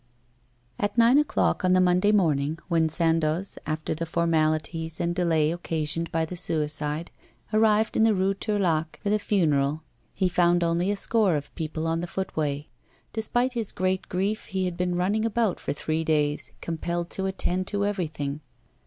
At nine o'clock on the Monday morning, when Sandoz, after the formalities and delay occasioned by the suicide, arrived in the Rue Tourlaque for the funeral, he found only a score of people on the footway. Despite his great grief, he had been running about for three days, compelled to attend to everything.